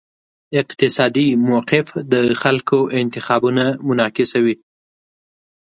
اقتصادي موقف د خلکو انتخابونه منعکسوي.